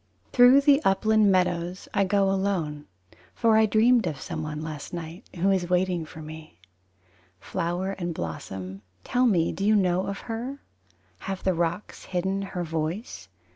II Through the upland meadows I go alone. For I dreamed of someone last night Who is waiting for me. Flower and blossom, tell me do you know of her? Have the rocks hidden her voice?